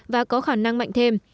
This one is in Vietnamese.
và có khả năng mạnh thêm